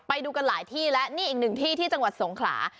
ไปดูกันหลายที่แล้วนี่อีกหนึ่งที่ที่จังหวัดสงขลา